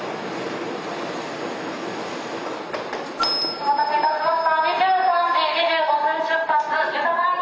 お待たせいたしました。